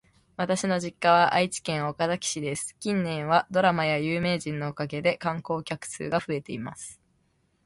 私の実家は愛知県岡崎市です。近年はドラマや有名人のおかげで観光客数が増えています。